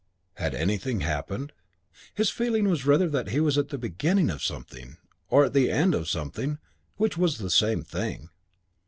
Had anything happened? His feeling was rather that he was at the beginning of something; or at the end of something, which was the same thing.